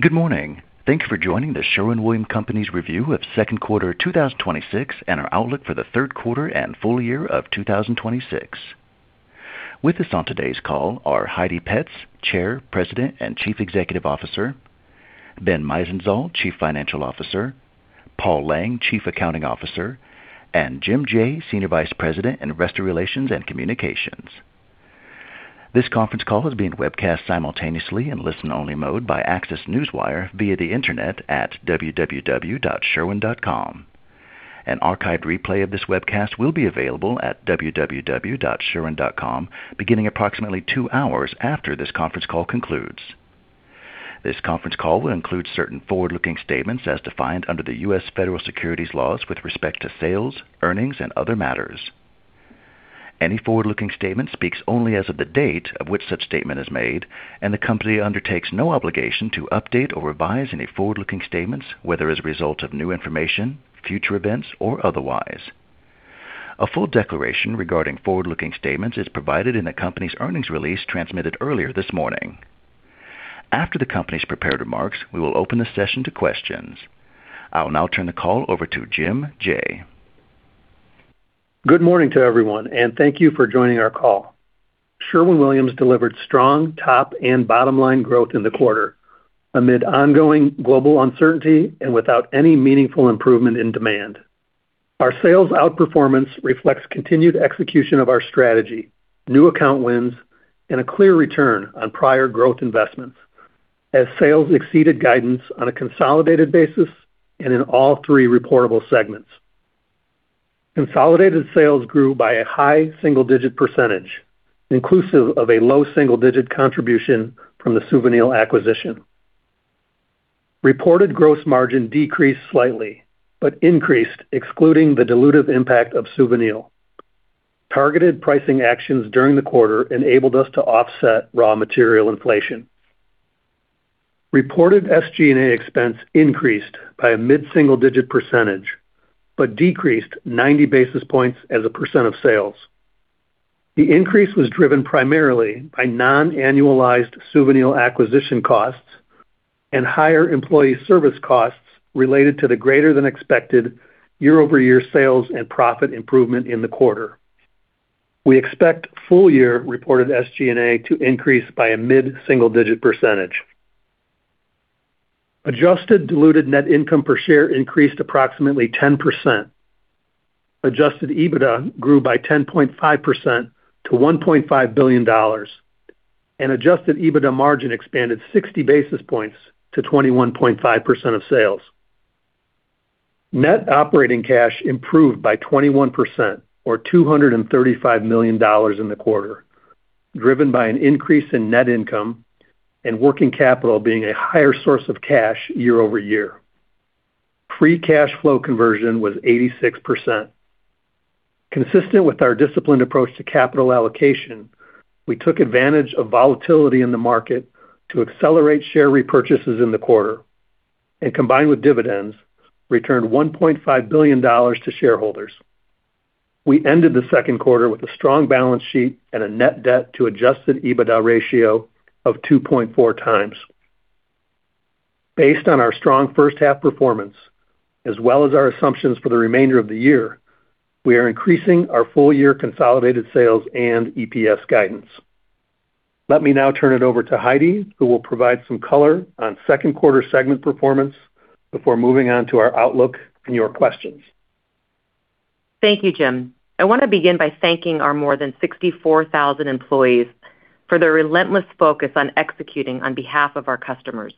Good morning. Thank you for joining The Sherwin-Williams Company's Review of Second Quarter 2026 and our Outlook for the Third Quarter and Full Year of 2026. With us on today's call are Heidi Petz, Chair, President, and Chief Executive Officer, Ben Meisenzahl, Chief Financial Officer, Paul Lang, Chief Accounting Officer, and Jim Jaye, Senior Vice President in Investor Relations and Communications. This conference call is being webcast simultaneously in listen-only mode by ACCESS Newswire via the internet at www.sherwin.com. An archived replay of this webcast will be available at www.sherwin.com beginning approximately two hours after this conference call concludes. This conference call will include certain forward-looking statements as defined under the U.S. Federal securities laws with respect to sales, earnings, and other matters. Any forward-looking statement speaks only as of the date of which such statement is made. The company undertakes no obligation to update or revise any forward-looking statements, whether as a result of new information, future events, or otherwise. A full declaration regarding forward-looking statements is provided in the company's earnings release transmitted earlier this morning. After the company's prepared remarks, we will open the session to questions. I will now turn the call over to Jim Jaye. Good morning to everyone. Thank you for joining our call. Sherwin-Williams delivered strong top and bottom-line growth in the quarter amid ongoing global uncertainty and without any meaningful improvement in demand. Our sales outperformance reflects continued execution of our strategy, new account wins, and a clear return on prior growth investments as sales exceeded guidance on a consolidated basis and in all three reportable segments. Consolidated sales grew by a high single-digit percentage, inclusive of a low single-digit contribution from the Suvinil acquisition. Reported gross margin decreased slightly, but increased excluding the dilutive impact of Suvinil. Targeted pricing actions during the quarter enabled us to offset raw material inflation. Reported SG&A expense increased by a mid-single-digit percentage, but decreased 90 basis points as a percent of sales. The increase was driven primarily by non-annualized Suvinil acquisition costs and higher employee service costs related to the greater-than-expected year-over-year sales and profit improvement in the quarter. We expect full-year reported SG&A to increase by a mid-single-digit percentage. Adjusted diluted net income per share increased approximately 10%. Adjusted EBITDA grew by 10.5% to $1.5 billion. Adjusted EBITDA margin expanded 60 basis points to 21.5% of sales. Net operating cash improved by 21%, or $235 million in the quarter, driven by an increase in net income and working capital being a higher source of cash year-over-year. Free cash flow conversion was 86%. Consistent with our disciplined approach to capital allocation, we took advantage of volatility in the market to accelerate share repurchases in the quarter. Combined with dividends, returned $1.5 billion to shareholders. We ended the second quarter with a strong balance sheet and a net debt to adjusted EBITDA ratio of 2.4 times. Based on our strong first half performance, as well as our assumptions for the remainder of the year, we are increasing our full-year consolidated sales and EPS guidance. Let me now turn it over to Heidi, who will provide some color on second quarter segment performance before moving on to our outlook and your questions. Thank you, Jim. I want to begin by thanking our more than 64,000 employees for their relentless focus on executing on behalf of our customers.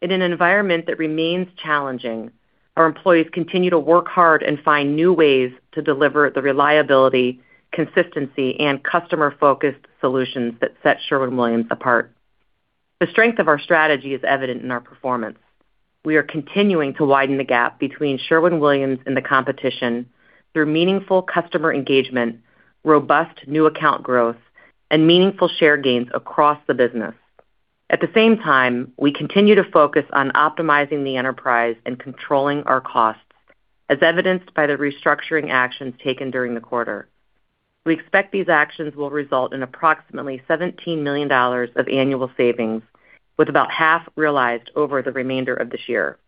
In an environment that remains challenging, our employees continue to work hard and find new ways to deliver the reliability, consistency, and customer-focused solutions that set Sherwin-Williams apart. The strength of our strategy is evident in our performance. We are continuing to widen the gap between Sherwin-Williams and the competition through meaningful customer engagement, robust new account growth, and meaningful share gains across the business. At the same time, we continue to focus on optimizing the enterprise and controlling our costs, as evidenced by the restructuring actions taken during the quarter. We expect these actions will result in approximately $17 million of annual savings, with about half realized over the remainder of this year.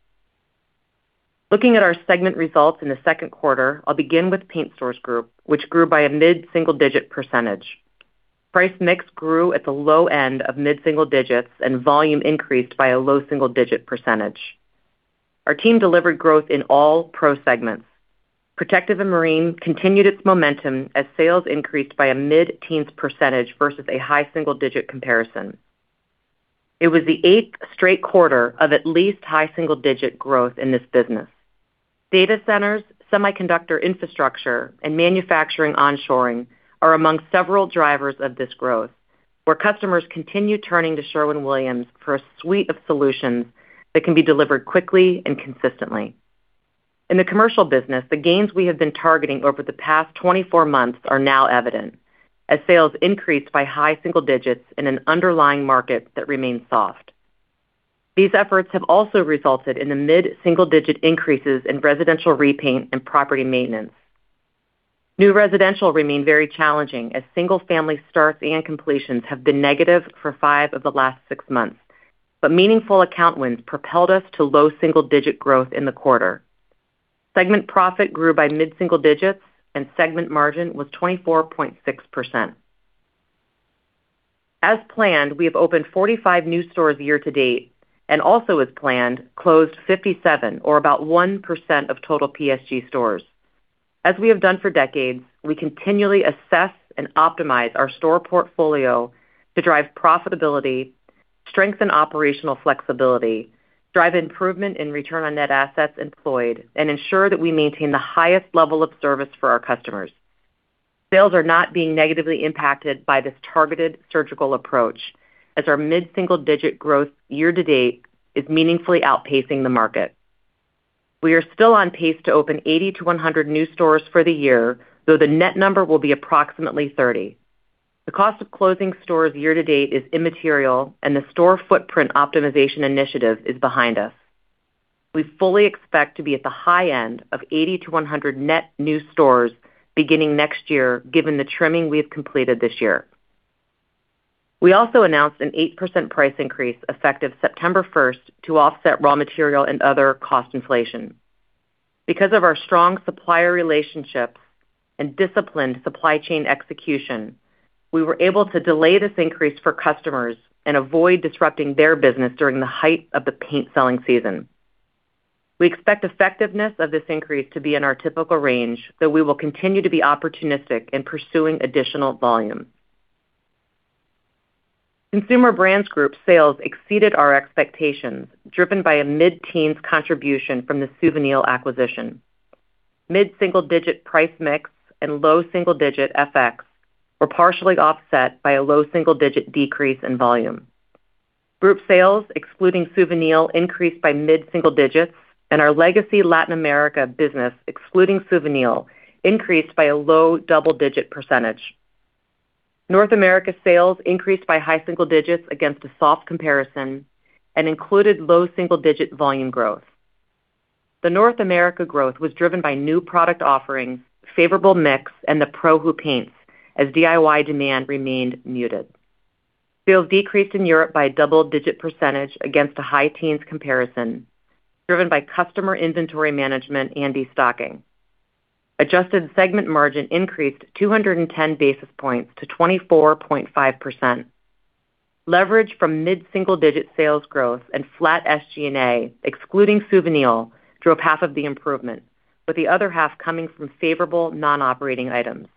Looking at our segment results in the second quarter, I'll begin with Paint Stores Group, which grew by a mid-single digit percentage. Price mix grew at the low end of mid-single digits and volume increased by a low single-digit percentage. Our team delivered growth in all pro segments. Protective & Marine continued its momentum as sales increased by a mid-teens percentage versus a high single-digit comparison. It was the eighth straight quarter of at least high single-digit growth in this business. Data centers, semiconductor infrastructure, and manufacturing onshoring are among several drivers of this growth, where customers continue turning to Sherwin-Williams for a suite of solutions that can be delivered quickly and consistently. In the commercial business, the gains we have been targeting over the past 24 months are now evident as sales increased by high single digits in an underlying market that remains soft. These efforts have also resulted in the mid-single digit increases in residential repaint and property maintenance. New residential remained very challenging as single family starts and completions have been negative for five of the last six months. Meaningful account wins propelled us to low single-digit growth in the quarter. Segment profit grew by mid-single digits and segment margin was 24.6%. As planned, we have opened 45 new stores year to date and also as planned, closed 57 or about 1% of total PSG stores. As we have done for decades, we continually assess and optimize our store portfolio to drive profitability, strengthen operational flexibility, drive improvement in return on net assets employed, and ensure that we maintain the highest level of service for our customers. Sales are not being negatively impacted by this targeted surgical approach as our mid-single digit growth year to date is meaningfully outpacing the market. We are still on pace to open 80-100 new stores for the year, though the net number will be approximately 30. The cost of closing stores year to date is immaterial, and the store footprint optimization initiative is behind us. We fully expect to be at the high end of 80-100 net new stores beginning next year, given the trimming we have completed this year. We also announced an 8% price increase effective September 1st to offset raw material and other cost inflation. Because of our strong supplier relationships and disciplined supply chain execution, we were able to delay this increase for customers and avoid disrupting their business during the height of the paint selling season. We expect effectiveness of this increase to be in our typical range, though we will continue to be opportunistic in pursuing additional volume. Consumer Brands Group sales exceeded our expectations, driven by a mid-teens contribution from the Suvinil acquisition. Mid-single digit price mix and low single digit FX were partially offset by a low single digit decrease in volume. Group sales, excluding Suvinil, increased by mid-single digits, and our legacy Latin America business, excluding Suvinil, increased by a low double-digit percentage. North America sales increased by high single digits against a soft comparison and included low single digit volume growth. The North America growth was driven by new product offerings, favorable mix, and the pro who paints, as DIY demand remained muted. Sales decreased in Europe by a double-digit percentage against the high teens comparison, driven by customer inventory management and destocking. Adjusted segment margin increased 210 basis points to 24.5%. Leverage from mid-single digit sales growth and flat SG&A, excluding Suvinil, drove half of the improvement, with the other half coming from favorable non-operating items.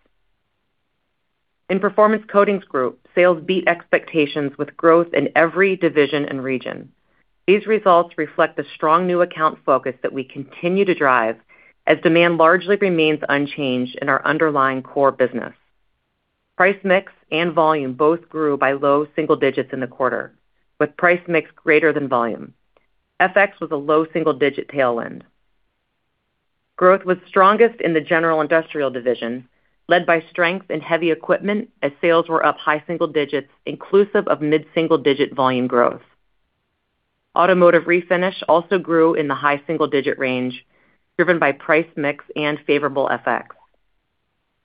In Performance Coatings Group, sales beat expectations with growth in every division and region. These results reflect the strong new account focus that we continue to drive as demand largely remains unchanged in our underlying core business. Price mix and volume both grew by low single digits in the quarter, with price mix greater than volume. FX was a low single digit tailwind. Growth was strongest in the general industrial division, led by strength in heavy equipment as sales were up high single digits inclusive of mid-single digit volume growth. Automotive Refinish also grew in the high single digit range, driven by price mix and favorable FX.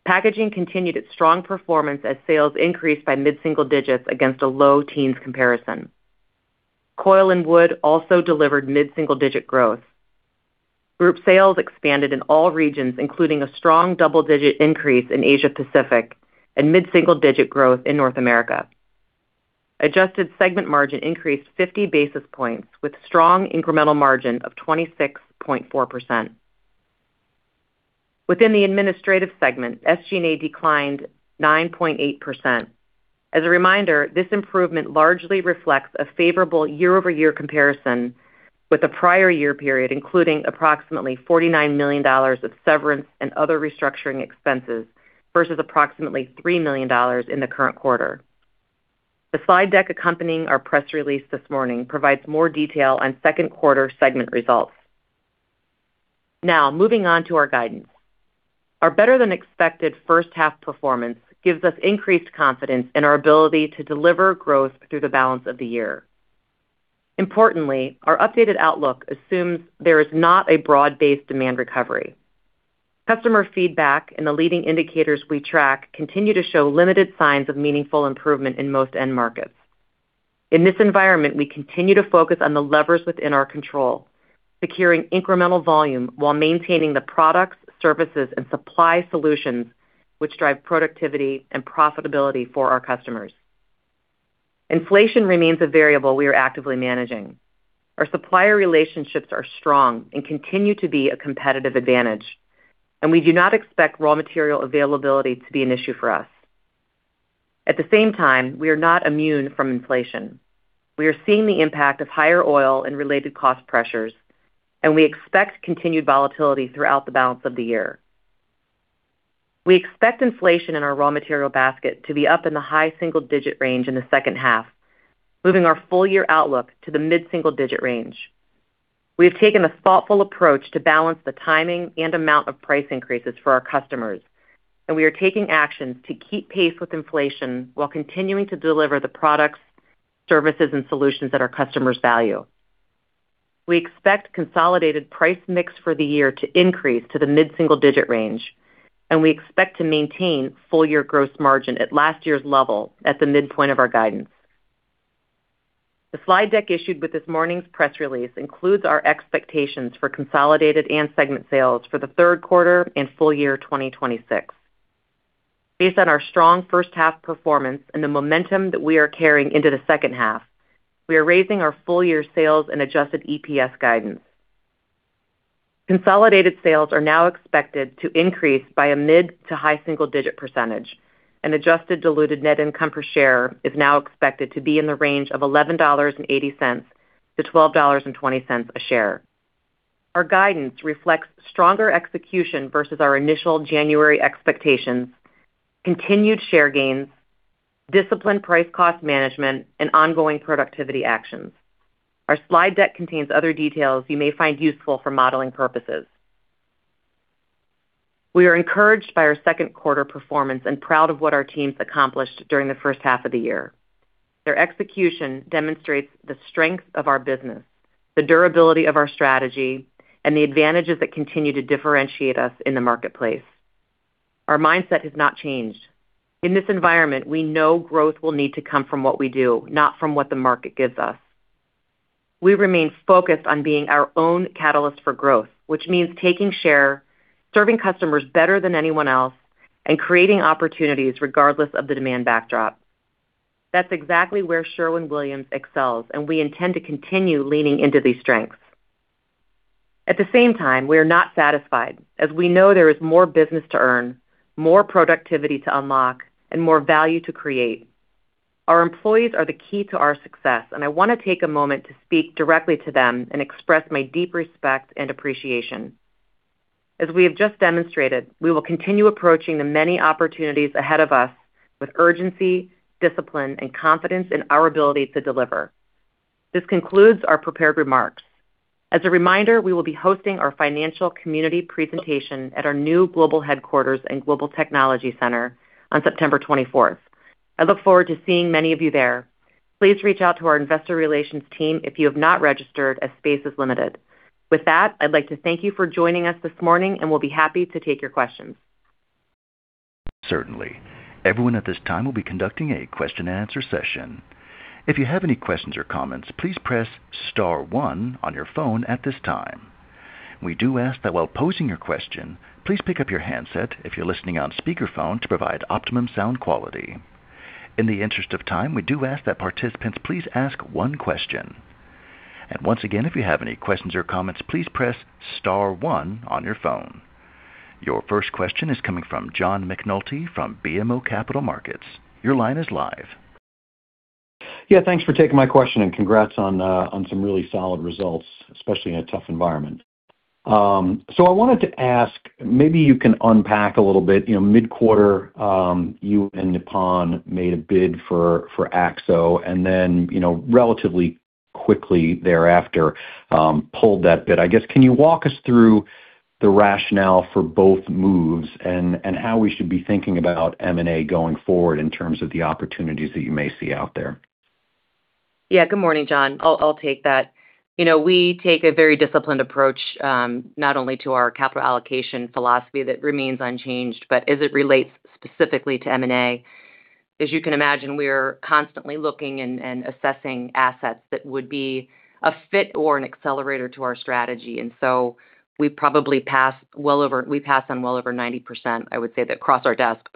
Packaging continued its strong performance as sales increased by mid-single digits against a low teens comparison. Coil and wood also delivered mid-single digit growth. Group sales expanded in all regions, including a strong double-digit increase in Asia Pacific and mid-single digit growth in North America. Adjusted segment margin increased 50 basis points with strong incremental margin of 26.4%. Within the administrative segment, SG&A declined 9.8%. As a reminder, this improvement largely reflects a favorable year-over-year comparison with the prior year period, including approximately $49 million of severance and other restructuring expenses versus approximately $3 million in the current quarter. The slide deck accompanying our press release this morning provides more detail on second quarter segment results. Now, moving on to our guidance. Our better than expected first half performance gives us increased confidence in our ability to deliver growth through the balance of the year. Importantly, our updated outlook assumes there is not a broad-based demand recovery. Customer feedback and the leading indicators we track continue to show limited signs of meaningful improvement in most end markets. In this environment, we continue to focus on the levers within our control, securing incremental volume while maintaining the products, services, and supply solutions which drive productivity and profitability for our customers. Inflation remains a variable we are actively managing. Our supplier relationships are strong and continue to be a competitive advantage. We do not expect raw material availability to be an issue for us. At the same time, we are not immune from inflation. We are seeing the impact of higher oil and related cost pressures. We expect continued volatility throughout the balance of the year. We expect inflation in our raw material basket to be up in the high single digit range in the second half, moving our full year outlook to the mid-single digit range. We have taken a thoughtful approach to balance the timing and amount of price increases for our customers. We are taking actions to keep pace with inflation while continuing to deliver the products, services, and solutions that our customers value. We expect consolidated price mix for the year to increase to the mid-single-digit range. We expect to maintain full-year gross margin at last year's level at the midpoint of our guidance. The slide deck issued with this morning's press release includes our expectations for consolidated and segment sales for the third quarter and full year 2026. Based on our strong first half performance and the momentum that we are carrying into the second half, we are raising our full year sales and adjusted EPS guidance. Consolidated sales are now expected to increase by a mid to high single-digit percentage. Adjusted diluted net income per share is now expected to be in the range of $11.80-$12.20 a share. Our guidance reflects stronger execution versus our initial January expectations, continued share gains, disciplined price cost management, and ongoing productivity actions. Our slide deck contains other details you may find useful for modeling purposes. We are encouraged by our second quarter performance and proud of what our teams accomplished during the first half of the year. Their execution demonstrates the strength of our business, the durability of our strategy, and the advantages that continue to differentiate us in the marketplace. Our mindset has not changed. In this environment, we know growth will need to come from what we do, not from what the market gives us. We remain focused on being our own catalyst for growth, which means taking share, serving customers better than anyone else, and creating opportunities regardless of the demand backdrop. That's exactly where Sherwin-Williams excels. We intend to continue leaning into these strengths. At the same time, we are not satisfied, as we know there is more business to earn, more productivity to unlock, and more value to create. Our employees are the key to our success. I want to take a moment to speak directly to them and express my deep respect and appreciation. As we have just demonstrated, we will continue approaching the many opportunities ahead of us with urgency, discipline, and confidence in our ability to deliver. This concludes our prepared remarks. As a reminder, we will be hosting our financial community presentation at our new global headquarters and global technology center on September 24th. I look forward to seeing many of you there. Please reach out to our investor relations team if you have not registered, as space is limited. With that, I'd like to thank you for joining us this morning. We'll be happy to take your questions. Certainly. Everyone at this time will be conducting a question and answer session. If you have any questions or comments, please press star one on your phone at this time. We do ask that while posing your question, please pick up your handset if you're listening on speakerphone to provide optimum sound quality. In the interest of time, we do ask that participants please ask one question. Once again, if you have any questions or comments, please press star one on your phone. Your first question is coming from John McNulty from BMO Capital Markets. Your line is live. Yeah, thanks for taking my question. Congrats on some really solid results, especially in a tough environment. I wanted to ask, maybe you can unpack a little bit. Mid-quarter, you and Nippon made a bid for Akzo. Then relatively quickly thereafter pulled that bid. I guess, can you walk us through the rationale for both moves and how we should be thinking about M&A going forward in terms of the opportunities that you may see out there? Yeah. Good morning, John. I'll take that. We take a very disciplined approach, not only to our capital allocation philosophy that remains unchanged, but as it relates specifically to M&A. As you can imagine, we're constantly looking and assessing assets that would be a fit or an accelerator to our strategy. We pass on well over 90%, I would say, that cross our desk.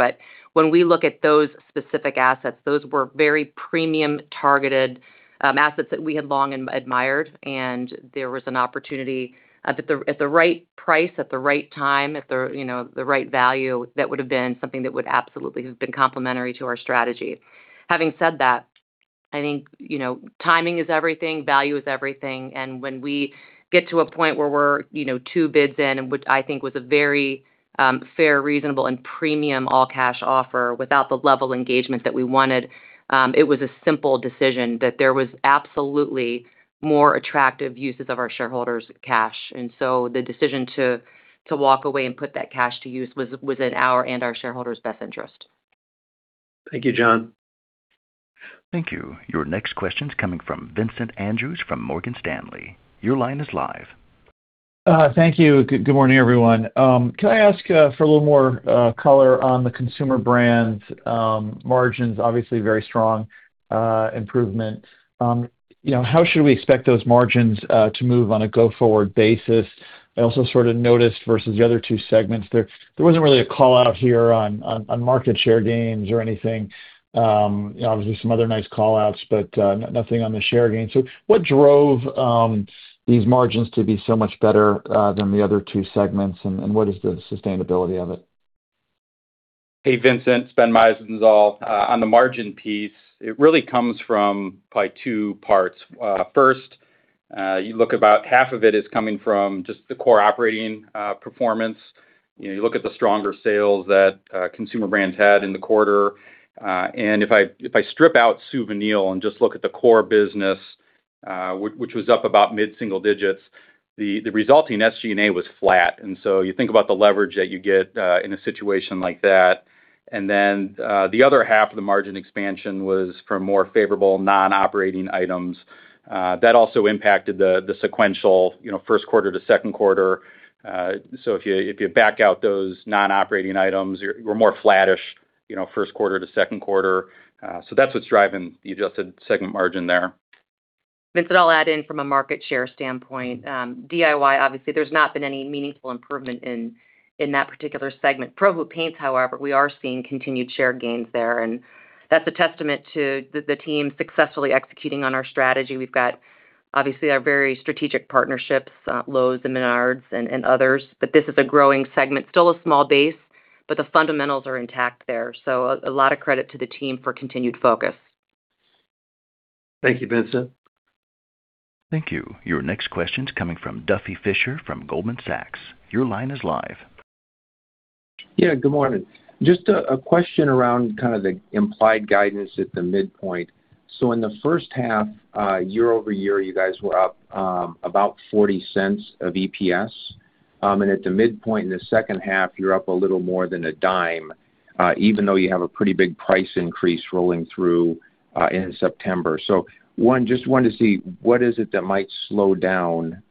When we look at those specific assets, those were very premium targeted assets that we had long admired. There was an opportunity at the right price, at the right time, at the right value, that would have been something that would absolutely have been complementary to our strategy. Having said that, I think timing is everything, value is everything, and when we get to a point where we're two bids in, and which I think was a very fair, reasonable, and premium all-cash offer without the level of engagement that we wanted, it was a simple decision that there was absolutely more attractive uses of our shareholders' cash. The decision to walk away and put that cash to use was in our and our shareholders' best interest. Thank you, John. Thank you. Your next question's coming from Vincent Andrews from Morgan Stanley. Your line is live. Thank you. Good morning, everyone. Can I ask for a little more color on the Consumer Brands margins? Obviously, very strong improvement. How should we expect those margins to move on a go-forward basis? I also sort of noticed versus the other two segments there wasn't really a call-out here on market share gains or anything. Obviously, some other nice call-outs, but nothing on the share gains. What drove these margins to be so much better than the other two segments, and what is the sustainability of it? Hey, Vincent. It's Ben Meisenzahl. On the margin piece, it really comes from probably two parts. First, you look about half of it is coming from just the core operating performance. You look at the stronger sales that Consumer Brands had in the quarter. If I strip out Suvinil and just look at the core business, which was up about mid-single digits, the resulting SG&A was flat. You think about the leverage that you get in a situation like that. The other half of the margin expansion was from more favorable non-operating items. That also impacted the sequential first quarter to second quarter. If you back out those non-operating items, we're more flattish, first quarter to second quarter. That's what's driving the adjusted segment margin there. Vincent, I'll add in from a market share standpoint. DIY, obviously, there's not been any meaningful improvement in that particular segment. Pro paint, however, we are seeing continued share gains there, and that's a testament to the team successfully executing on our strategy. We've got, obviously, our very strategic partnerships, Lowe's and Menards and others, but this is a growing segment. Still a small base, but the fundamentals are intact there. A lot of credit to the team for continued focus. Thank you, Vincent. Thank you. Your next question's coming from Duffy Fischer from Goldman Sachs. Your line is live. Just a question around kind of the implied guidance at the midpoint. In the first half, year-over-year, you guys were up about $0.40 of EPS. At the midpoint in the second half, you're up a little more than $0.10, even though you have a pretty big price increase rolling through in September. One, just wanted to see, what is it that might slow down,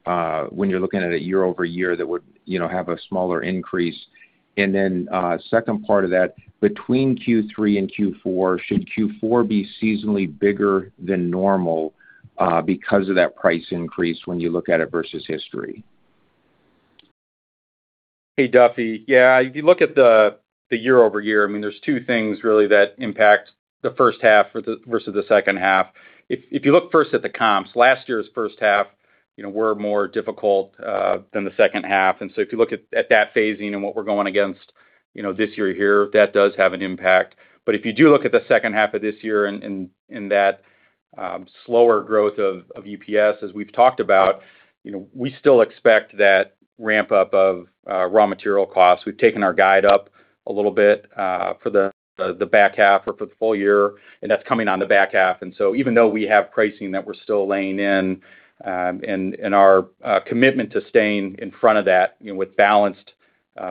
when you're looking at it year-over-year that would have a smaller increase? Second part of that, between Q3 and Q4, should Q4 be seasonally bigger than normal because of that price increase when you look at it versus history? Hey, Duffy. Yeah, if you look at the year-over-year, there's two things really that impact the first half versus the second half. If you look first at the comps, last year's first half were more difficult than the second half. If you look at that phasing and what we're going against this year here, that does have an impact. If you do look at the second half of this year and that slower growth of EPS as we've talked about, we still expect that ramp up of raw material costs. We've taken our guide up a little bit for the back half or for the full year, and that's coming on the back half. Even though we have pricing that we're still laying in and our commitment to staying in front of that with balanced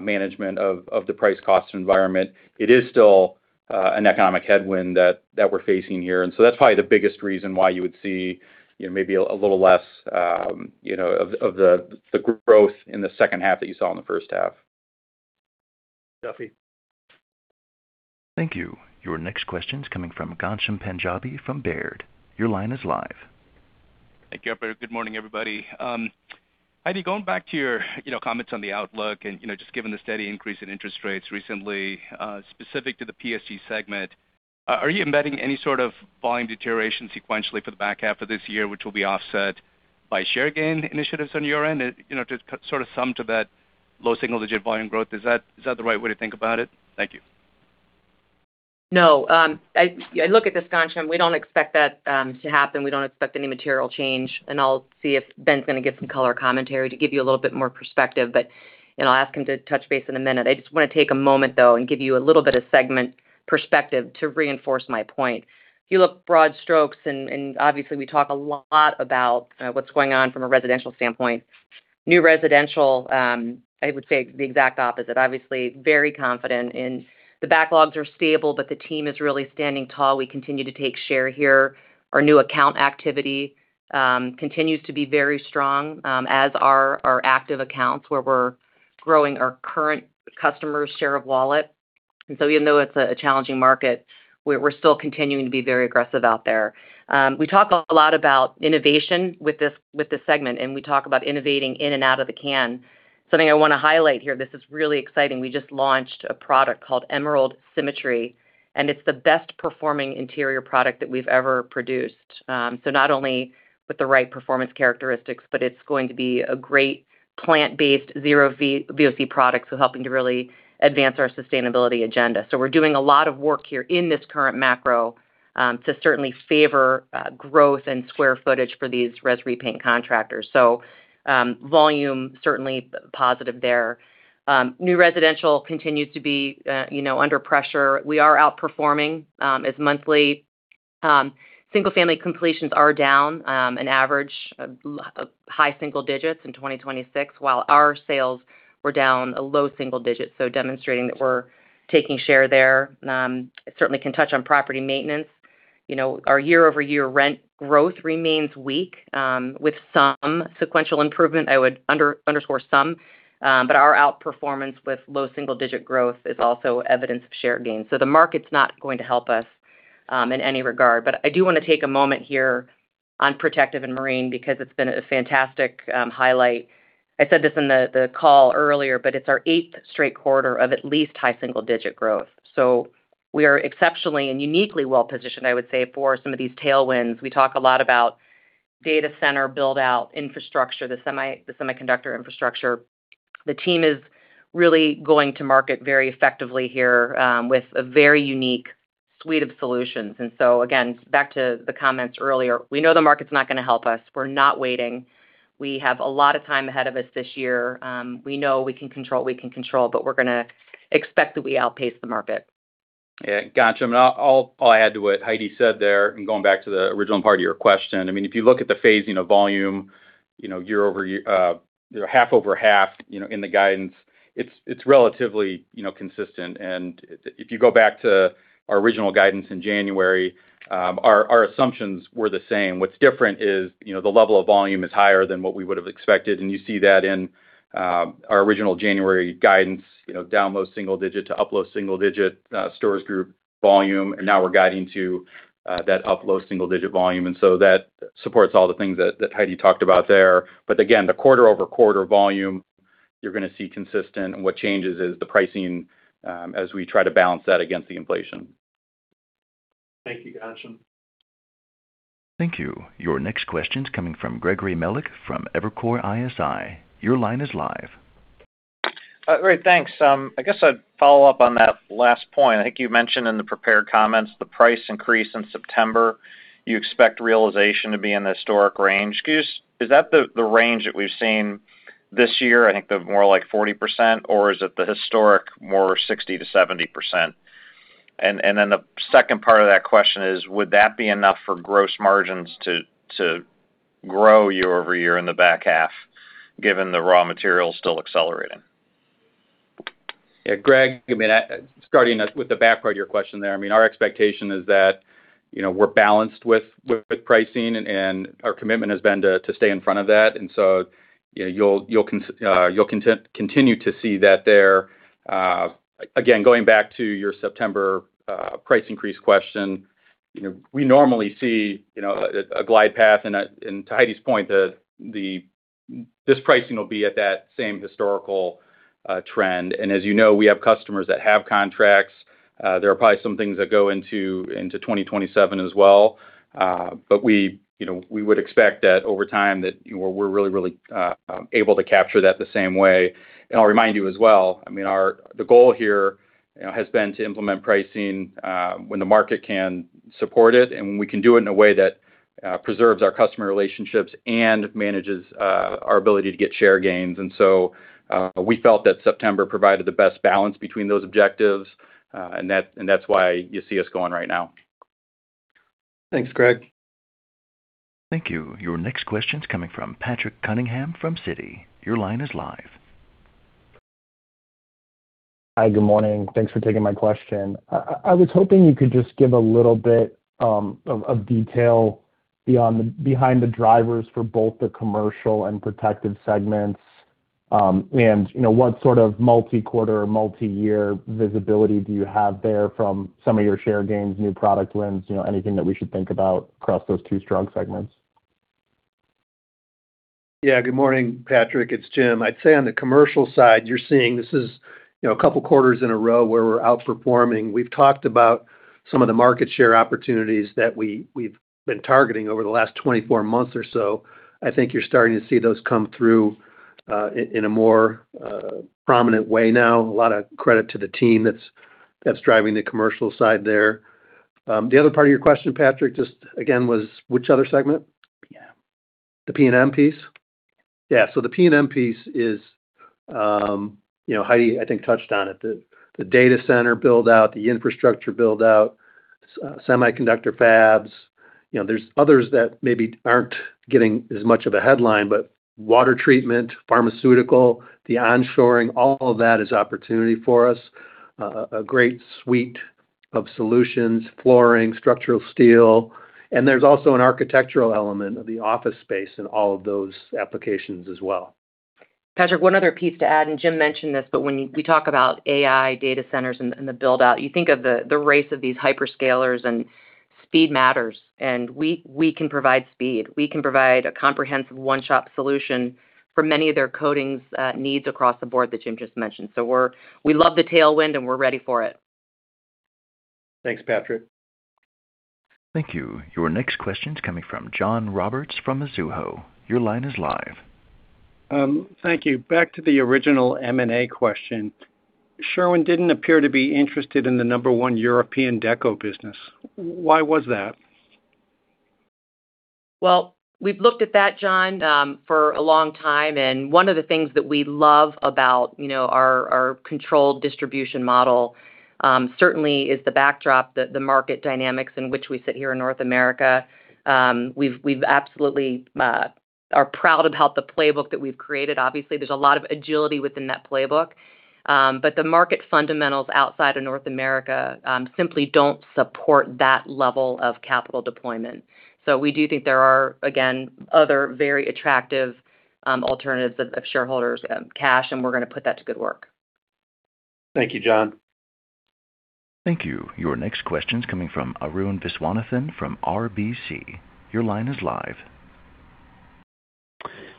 management of the price cost environment, it is still an economic headwind that we're facing here. That's probably the biggest reason why you would see maybe a little less of the growth in the second half that you saw in the first half. Thank you Duffy. Thank you. Your next question's coming from Ghansham Panjabi from Baird. Your line is live. Thank you, operator. Good morning, everybody. Heidi, going back to your comments on the outlook and just given the steady increase in interest rates recently, specific to the PSG segment, are you embedding any sort of volume deterioration sequentially for the back half of this year, which will be offset by share gain initiatives on your end? To sort of sum to that low single-digit volume growth, is that the right way to think about it? Thank you. No. I look at this, Ghansham. We don't expect that to happen. We don't expect any material change. I'll see if Ben's gonna give some color commentary to give you a little bit more perspective, but I'll ask him to touch base in a minute. I just want to take a moment, though, and give you a little bit of segment perspective to reinforce my point. If you look broad strokes, and obviously we talk a lot about what's going on from a residential standpoint. New residential, I would say the exact opposite. Obviously very confident and the backlogs are stable, but the team is really standing tall. We continue to take share here. Our new account activity continues to be very strong, as are our active accounts where we're growing our current customers' share of wallet. Even though it's a challenging market, we're still continuing to be very aggressive out there. We talk a lot about innovation with this segment, and we talk about innovating in and out of the can. Something I want to highlight here, this is really exciting. We just launched a product called Emerald Symmetry, and it's the best performing interior product that we've ever produced. Not only with the right performance characteristics, but it's going to be a great plant-based, zero VOC product, helping to really advance our sustainability agenda. We're doing a lot of work here in this current macro to certainly favor growth and square footage for these res repaint contractors. Volume certainly positive there. New residential continues to be under pressure. We are outperforming as monthly single-family completions are down an average of high single-digits in 2026, while our sales were down a low single-digit. Demonstrating that we're taking share there. Certainly can touch on property maintenance. Our year-over-year rent growth remains weak, with some sequential improvement. I would underscore some. Our outperformance with low single-digit growth is also evidence of share gains. The market's not going to help us in any regard. I do want to take a moment here on Protective & Marine because it's been a fantastic highlight. I said this in the call earlier, but it's our eighth straight quarter of at least high single-digit growth. We are exceptionally and uniquely well-positioned, I would say, for some of these tailwinds. We talk a lot about data center build-out infrastructure, the semiconductor infrastructure. The team is really going to market very effectively here with a very unique suite of solutions. Again, back to the comments earlier. We know the market's not going to help us. We're not waiting. We have a lot of time ahead of us this year. We know we can control what we can control, but we're going to expect that we outpace the market. Gotcha. I'll add to what Heidi said there, and going back to the original part of your question. If you look at the phasing of volume, half over half in the guidance, it's relatively consistent. If you go back to our original guidance in January, our assumptions were the same. What's different is the level of volume is higher than what we would have expected, and you see that in our original January guidance, down low single digit to up low single digit Paint Stores Group volume, and now we are guiding to that up low single digit volume. That supports all the things that Heidi talked about there. Again, the quarter-over-quarter volume, you are going to see consistent, and what changes is the pricing as we try to balance that against the inflation. Thank you Ghansham. Thank you. Your next question's coming from Gregory Melich from Evercore ISI. Your line is live. Thanks. I guess I'd follow up on that last point. I think you mentioned in the prepared comments the price increase in September, you expect realization to be in the historic range. Is that the range that we've seen this year, I think the more like 40%, or is it the historic more 60%-70%? The second part of that question is, would that be enough for gross margins to grow year-over-year in the back half, given the raw material still accelerating? Greg, starting with the back part of your question there, our expectation is that we're balanced with pricing, and our commitment has been to stay in front of that. You'll continue to see that there. Again, going back to your September price increase question, we normally see a glide path, and to Heidi's point, this pricing will be at that same historical trend. As you know, we have customers that have contracts. There are probably some things that go into 2027 as well. We would expect that over time that we're really able to capture that the same way. I'll remind you as well, the goal here has been to implement pricing when the market can support it, and when we can do it in a way that preserves our customer relationships and manages our ability to get share gains. We felt that September provided the best balance between those objectives, and that's why you see us going right now. Thanks, Greg. Thank you. Your next question's coming from Patrick Cunningham from Citi. Your line is live. Hi. Good morning. Thanks for taking my question. I was hoping you could just give a little bit of detail behind the drivers for both the commercial and protective segments. What sort of multi-quarter or multi-year visibility do you have there from some of your share gains, new product wins, anything that we should think about across those two strong segments? Good morning, Patrick. It's Jim. I'd say on the commercial side, you're seeing this is a couple of quarters in a row where we're outperforming. We've talked about some of the market share opportunities that we've been targeting over the last 24 months or so. I think you're starting to see those come through in a more prominent way now. A lot of credit to the team that's driving the commercial side there. The other part of your question, Patrick, just again, was which other segment? P&M. The P&M piece? The P&M piece is, Heidi, I think, touched on it. The data center build-out, the infrastructure build-out, semiconductor fabs. There's others that maybe aren't getting as much of a headline, but water treatment, pharmaceutical, the onshoring, all of that is opportunity for us. A great suite of solutions, flooring, structural steel, and there's also an architectural element of the office space in all of those applications as well. Patrick, one other piece to add, and Jim mentioned this, but when we talk about AI data centers and the build-out, you think of the race of these hyperscalers and speed matters, and we can provide speed. We can provide a comprehensive one-shop solution for many of their coatings needs across the board that Jim just mentioned. We love the tailwind, and we're ready for it. Thanks, Patrick. Thank you. Your next question's coming from John Roberts from Mizuho. Your line is live. Thank you. Back to the original M&A question. Sherwin didn't appear to be interested in the number one European deco business. Why was that? Well, we've looked at that, John, for a long time. One of the things that we love about our controlled distribution model, certainly is the backdrop, the market dynamics in which we sit here in North America. We absolutely are proud about the playbook that we've created. Obviously, there's a lot of agility within that playbook. The market fundamentals outside of North America simply don't support that level of capital deployment. We do think there are, again, other very attractive alternatives of shareholders' cash, and we're going to put that to good work. Thank you, John. Thank you. Your next question's coming from Arun Viswanathan from RBC. Your line is live.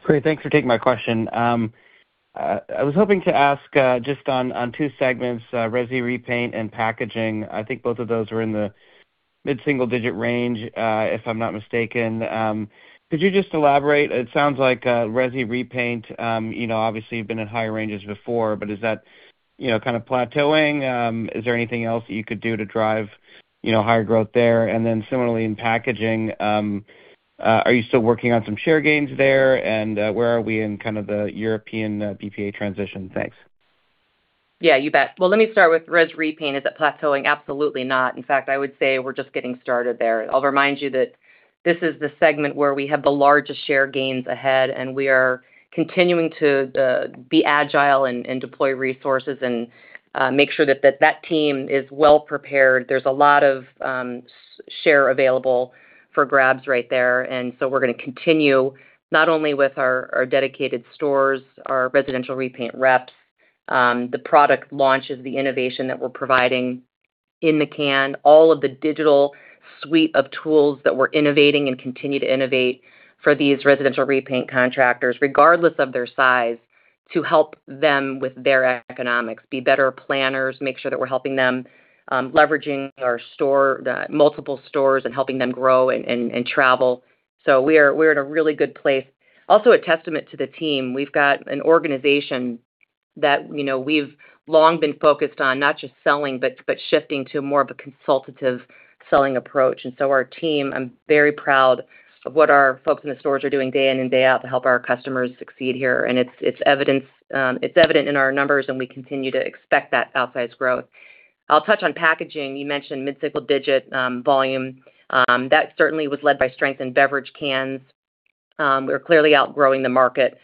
Great. Thanks for taking my question. I was hoping to ask just on two segments, resi repaint and packaging. I think both of those were in the mid-single digit range, if I'm not mistaken. Could you just elaborate? It sounds like resi repaint, obviously, you've been at higher ranges before, but is that kind of plateauing? Is there anything else that you could do to drive higher growth there? Then similarly in packaging, are you still working on some share gains there? Where are we in the European BPA transition? Thanks. Yeah, you bet. Well, let me start with res repaint. Is it plateauing? Absolutely not. In fact, I would say we're just getting started there. I'll remind you that this is the segment where we have the largest share gains ahead, and we are continuing to be agile and deploy resources and make sure that that team is well-prepared. There's a lot of share available for grabs right there. We're going to continue not only with our dedicated stores, our residential repaint reps, the product launches, the innovation that we're providing in the can, all of the digital suite of tools that we're innovating and continue to innovate for these residential repaint contractors, regardless of their size, to help them with their economics, be better planners, make sure that we're helping them, leveraging our multiple stores and helping them grow and travel. We're in a really good place. Also a testament to the team. We've got an organization that we've long been focused on not just selling, but shifting to more of a consultative selling approach. Our team, I'm very proud of what our folks in the stores are doing day in and day out to help our customers succeed here. It's evident in our numbers, and we continue to expect that outsized growth. I'll touch on packaging. You mentioned mid-single-digit volume. That certainly was led by strength in beverage cans. We're clearly outgrowing the market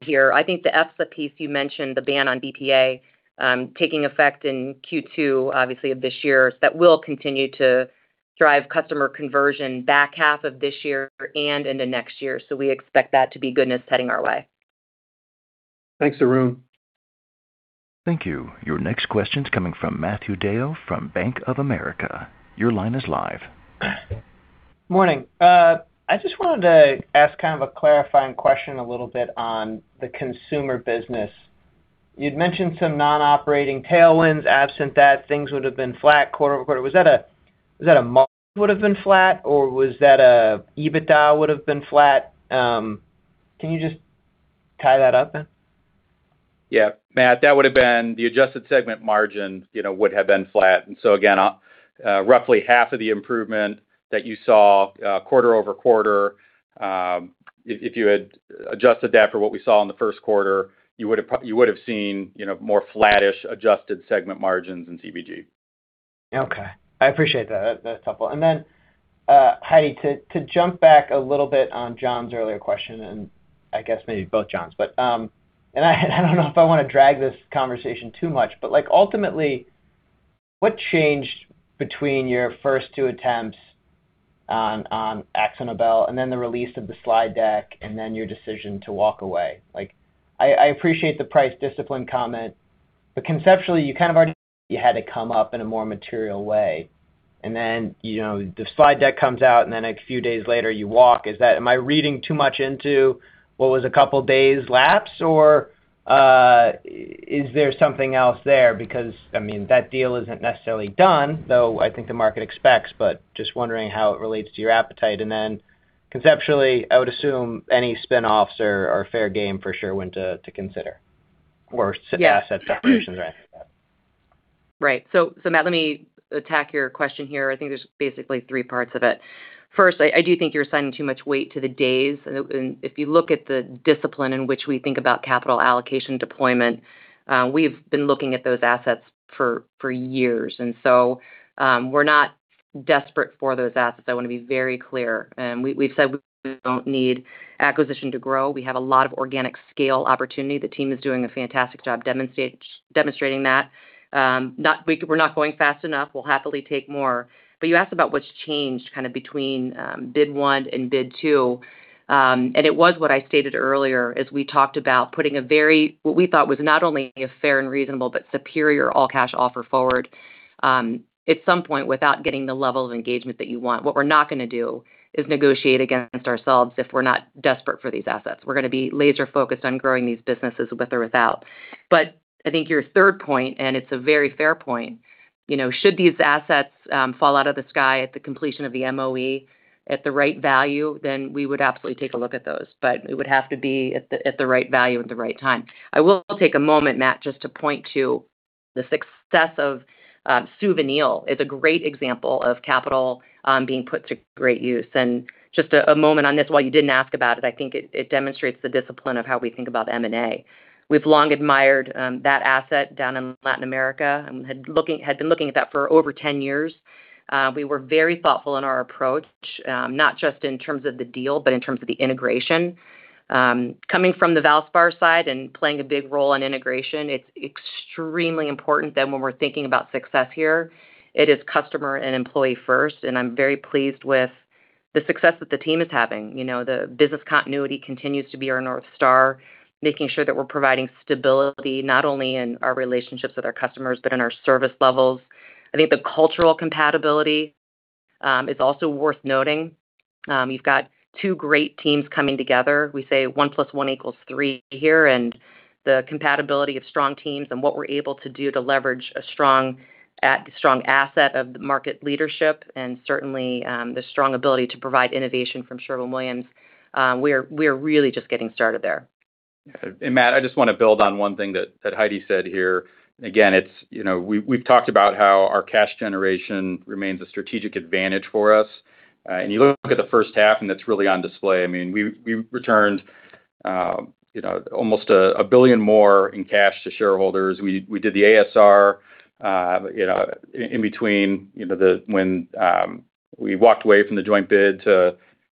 here. I think the EPS piece you mentioned, the ban on BPA, taking effect in Q2, obviously of this year. That will continue to drive customer conversion back half of this year and into next year. We expect that to be goodness heading our way. Thanks, Arun. Thank you. Your next question's coming from Matthew DeYoe from Bank of America. Your line is live. Morning. I just wanted to ask kind of a clarifying question a little bit on the consumer business. You'd mentioned some non-operating tailwinds. Absent that, things would've been flat quarter-over-quarter. Was that a margin would've been flat, or was that an EBITDA would've been flat? Can you just tie that up, then? Yeah, Matt, that would've been the adjusted segment margin, would have been flat. Again, roughly half of the improvement that you saw quarter-over-quarter, if you had adjusted that for what we saw in the first quarter, you would've seen more flattish adjusted segment margins in CBG. Okay. I appreciate that. That's helpful. Heidi, to jump back a little bit on John's earlier question, and I guess maybe both Johns. I don't know if I want to drag this conversation too much, but ultimately, what changed between your first two attempts on AkzoNobel and then the release of the slide deck and then your decision to walk away? I appreciate the price discipline comment, but conceptually, you kind of already had to come up in a more material way. The slide deck comes out, and then a few days later, you walk. Am I reading too much into what was a couple of days' lapse, or is there something else there? That deal isn't necessarily done, though I think the market expects, but just wondering how it relates to your appetite. Conceptually, I would assume any spinoffs are fair game for sure, one to consider or asset separations rather. Right. Matt, let me attack your question here. I think there's basically three parts of it. First, I do think you're assigning too much weight to the days. If you look at the discipline in which we think about capital allocation deployment, we've been looking at those assets for years. We're not desperate for those assets. I want to be very clear. We've said we don't need acquisition to grow. We have a lot of organic scale opportunity. The team is doing a fantastic job demonstrating that. We're not going fast enough. We'll happily take more. You asked about what's changed kind of between bid one and bid two. It was what I stated earlier as we talked about putting a very, what we thought was not only a fair and reasonable but superior all-cash offer forward at some point without getting the level of engagement that you want. What we're not going to do is negotiate against ourselves if we're not desperate for these assets. We're going to be laser-focused on growing these businesses with or without. I think your third point, and it's a very fair point, should these assets fall out of the sky at the completion of the MOE at the right value, then we would absolutely take a look at those. It would have to be at the right value at the right time. I will take a moment, Matt, just to point to the success of Suvinil. It's a great example of capital being put to great use. Just a moment on this, while you didn't ask about it, I think it demonstrates the discipline of how we think about M&A. We've long admired that asset down in Latin America and had been looking at that for over 10 years. We were very thoughtful in our approach, not just in terms of the deal, but in terms of the integration. Coming from the Valspar side and playing a big role in integration, it's extremely important that when we're thinking about success here, it is customer and employee first, and I'm very pleased with the success that the team is having. The business continuity continues to be our North Star, making sure that we're providing stability not only in our relationships with our customers, but in our service levels. I think the cultural compatibility is also worth noting. You've got two great teams coming together. We say 1 + 1 = 3 here, the compatibility of strong teams and what we're able to do to leverage a strong asset of market leadership and certainly the strong ability to provide innovation from Sherwin-Williams. We are really just getting started there. Matt, I just want to build on one thing that Heidi said here. Again, we've talked about how our cash generation remains a strategic advantage for us. You look at the first half, and it's really on display. We returned almost $1 billion more in cash to shareholders. We did the ASR in between when we walked away from the joint bid to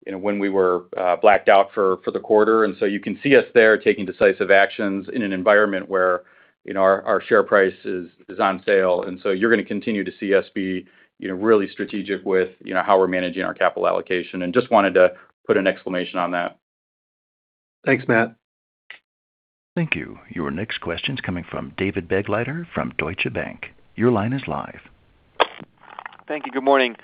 when we were blacked out for the quarter. You can see us there taking decisive actions in an environment where our share price is on sale. You're going to continue to see us be really strategic with how we're managing our capital allocation, and just wanted to put an exclamation on that. Thanks, Matt. Thank you. Your next question's coming from David Begleiter from Deutsche Bank. Your line is live. Thank you. Good morning.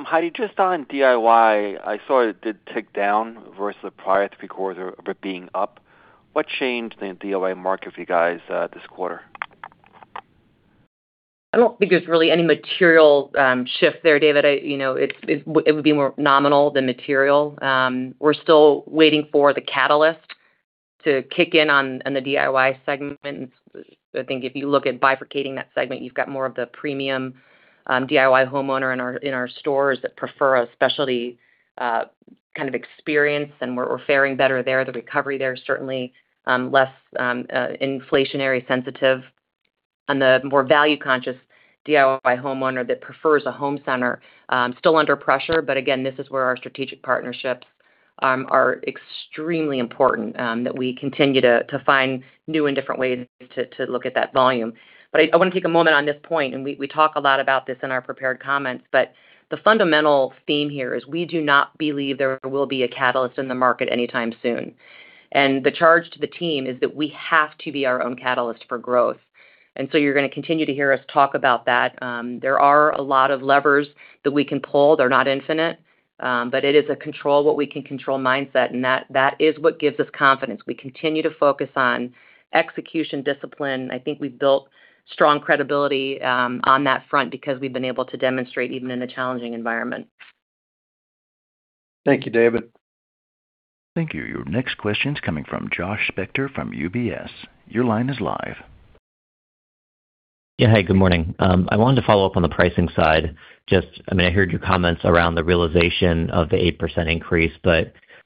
Heidi, just on DIY, I saw it did tick down versus the prior three quarters of it being up. What changed in the DIY market for you guys this quarter? I don't think there's really any material shift there, David. It would be more nominal than material. We're still waiting for the catalyst to kick in on the DIY segment. I think if you look at bifurcating that segment, you've got more of the premium DIY homeowner in our stores that prefer a specialty kind of experience, and we're faring better there. The recovery there is certainly less inflationary sensitive. On the more value-conscious DIY homeowner that prefers a home center, still under pressure, but again, this is where our strategic partnerships are extremely important, that we continue to find new and different ways to look at that volume. I want to take a moment on this point, we talk a lot about this in our prepared comments, the fundamental theme here is we do not believe there will be a catalyst in the market anytime soon. The charge to the team is that we have to be our own catalyst for growth. You're going to continue to hear us talk about that. There are a lot of levers that we can pull. They're not infinite, it is a control what we can control mindset, and that is what gives us confidence. We continue to focus on execution discipline. I think we've built strong credibility on that front because we've been able to demonstrate even in a challenging environment. Thank you, David. Thank you. Your next question's coming from Josh Spector from UBS. Your line is live. Yeah. Hey, good morning. I wanted to follow up on the pricing side. I heard your comments around the realization of the 8% increase.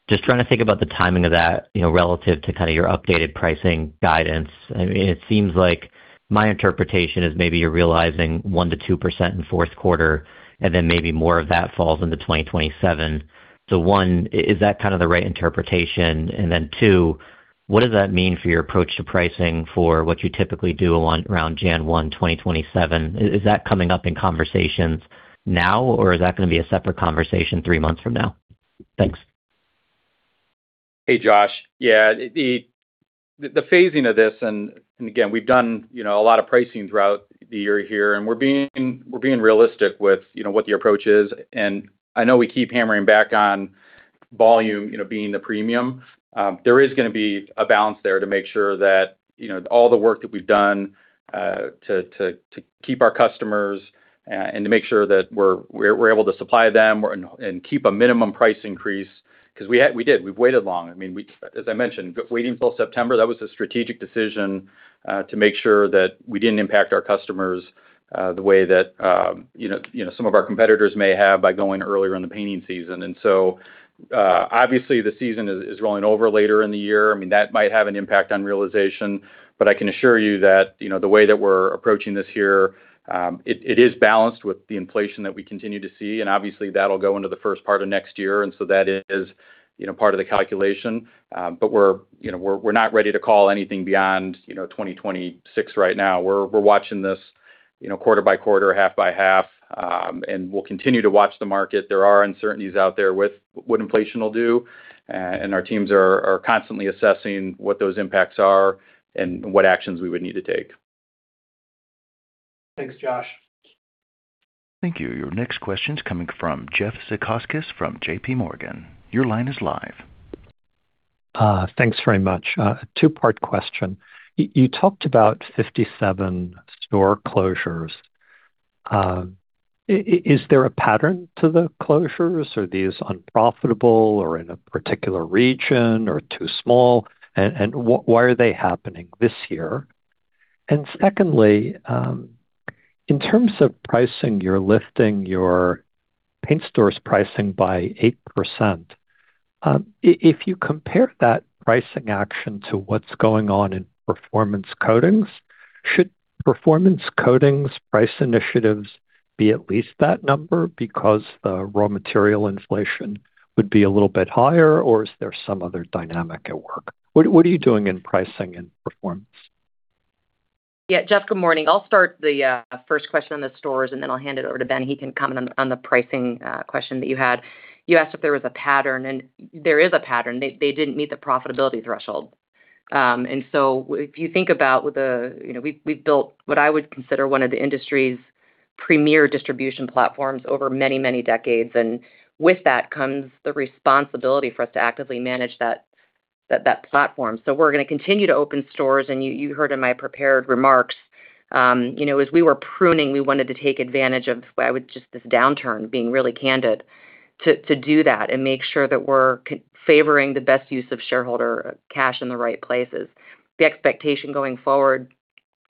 Just trying to think about the timing of that relative to kind of your updated pricing guidance. It seems like my interpretation is maybe you're realizing 1%-2% in fourth quarter, and then maybe more of that falls into 2027. One, is that kind of the right interpretation? Two, what does that mean for your approach to pricing for what you typically do around Jan 1, 2027? Is that coming up in conversations now, or is that going to be a separate conversation three months from now? Thanks. Hey, Josh. Yeah, the phasing of this. Again, we've done a lot of pricing throughout the year here. We're being realistic with what the approach is. I know we keep hammering back on volume being the premium. There is going to be a balance there to make sure that all the work that we've done to keep our customers and to make sure that we're able to supply them and keep a minimum price increase, because we did. We've waited long. As I mentioned, waiting until September, that was a strategic decision to make sure that we didn't impact our customers the way that some of our competitors may have by going earlier in the painting season. Obviously, the season is rolling over later in the year. That might have an impact on realization. I can assure you that the way that we're approaching this year, it is balanced with the inflation that we continue to see. Obviously, that'll go into the first part of next year. That is part of the calculation. We're not ready to call anything beyond 2026 right now. We're watching this quarter-by-quarter, half by half. We'll continue to watch the market. There are uncertainties out there with what inflation will do, and our teams are constantly assessing what those impacts are and what actions we would need to take. Thanks, Josh. Thank you. Your next question's coming from Jeff Zekauskas from JPMorgan. Your line is live. Thanks very much. A two-part question. You talked about 57 store closures. Is there a pattern to the closures? Are these unprofitable or in a particular region or too small? Why are they happening this year? Secondly, in terms of pricing, you're lifting your paint stores pricing by 8%. If you compare that pricing action to what's going on in performance coatings, should performance coatings price initiatives be at least that number because the raw material inflation would be a little bit higher, or is there some other dynamic at work? What are you doing in pricing and performance? Jeff, good morning. I'll start the first question on the stores, then I'll hand it over to Ben. He can comment on the pricing question that you had. You asked if there was a pattern, there is a pattern. They didn't meet the profitability threshold. If you think about, we've built what I would consider one of the industry's premier distribution platforms over many, many decades, with that comes the responsibility for us to actively manage that platform. We're going to continue to open stores, you heard in my prepared remarks, as we were pruning, we wanted to take advantage of just this downturn, being really candid, to do that and make sure that we're favoring the best use of shareholder cash in the right places. The expectation going forward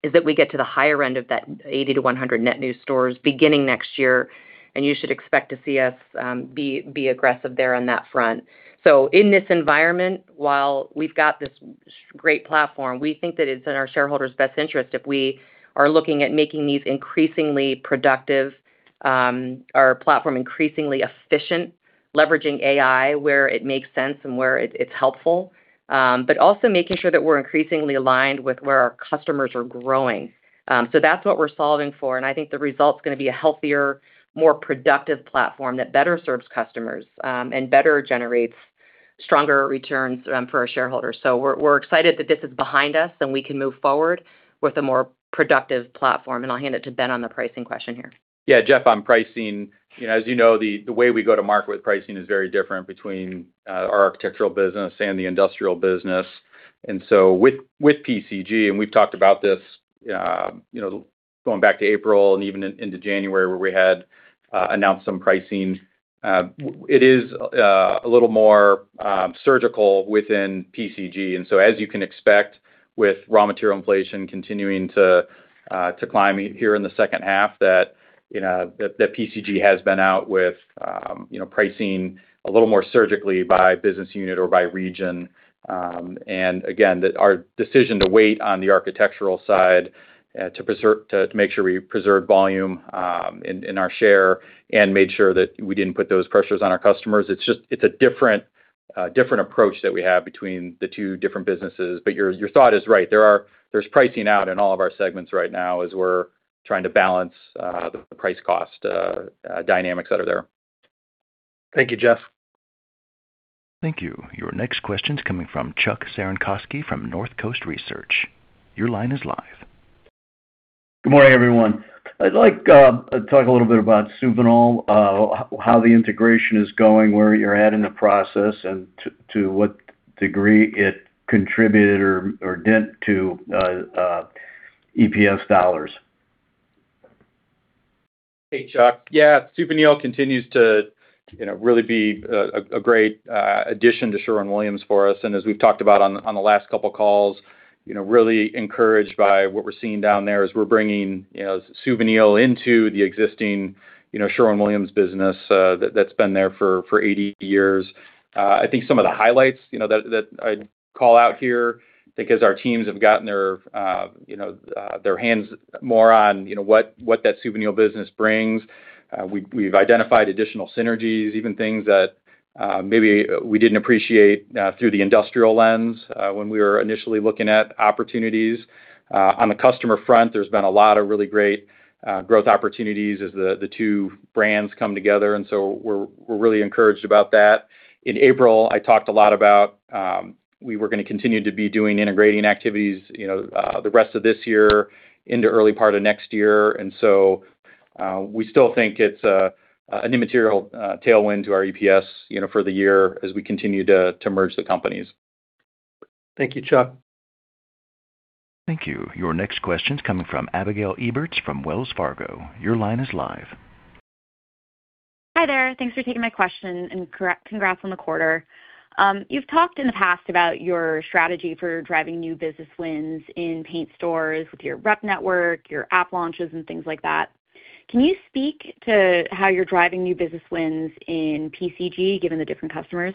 is that we get to the higher end of that 80-100 net new stores beginning next year, you should expect to see us be aggressive there on that front. In this environment, while we've got this great platform, we think that it's in our shareholders' best interest if we are looking at making these increasingly productive, our platform increasingly efficient, leveraging AI where it makes sense and where it's helpful. Also making sure that we're increasingly aligned with where our customers are growing. That's what we're solving for, I think the result's going to be a healthier, more productive platform that better serves customers, better generates stronger returns for our shareholders. We're excited that this is behind us, we can move forward with a more productive platform. I'll hand it to Ben on the pricing question here. Yeah, Jeff, on pricing, as you know, the way we go to market with pricing is very different between our architectural business and the industrial business. With PCG, and we've talked about this going back to April and even into January, where we had announced some pricing. It is a little more surgical within PCG. As you can expect with raw material inflation continuing to climb here in the second half, that PCG has been out with pricing a little more surgically by business unit or by region. Again, our decision to wait on the architectural side to make sure we preserved volume in our share, and made sure that we didn't put those pressures on our customers. It's a different approach that we have between the two different businesses. Your thought is right. There's pricing out in all of our segments right now as we're trying to balance the price-cost dynamics that are there. Thank you, Jeff. Thank you. Your next question's coming from Chuck Cerankosky from Northcoast Research. Your line is live. Good morning, everyone. I'd like to talk a little bit about Suvinil, how the integration is going, where you're at in the process, and to what degree it contributed or dent to EPS dollars. Hey, Chuck. Yeah, Suvinil continues to really be a great addition to Sherwin-Williams for us, and as we've talked about on the last couple of calls, really encouraged by what we're seeing down there as we're bringing Suvinil into the existing Sherwin-Williams business that's been there for 80 years. I think some of the highlights that I'd call out here, because our teams have gotten their hands more on what that Suvinil business brings. We've identified additional synergies, even things that maybe we didn't appreciate through the industrial lens when we were initially looking at opportunities. On the customer front, there's been a lot of really great growth opportunities as the two brands come together, and so we're really encouraged about that. In April, I talked a lot about we were going to continue to be doing integrating activities the rest of this year into early part of next year. We still think it's an immaterial tailwind to our EPS for the year as we continue to merge the companies. Thank you, Chuck. Thank you. Your next question's coming from Abigail Eberts from Wells Fargo. Your line is live. Hi there. Thanks for taking my question and congrats on the quarter. You've talked in the past about your strategy for driving new business wins in paint stores with your rep network, your app launches and things like that. Can you speak to how you're driving new business wins in PCG, given the different customers?